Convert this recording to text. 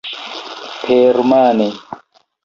Permane!